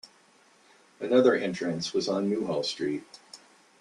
Another entrance was on Newhall Street.